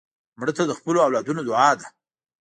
مړه ته د خپلو اولادونو دعا ده